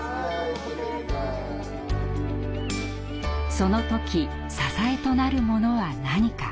その時支えとなるものは何か？